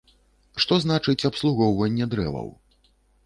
Што значыць, абслугоўванне дрэваў?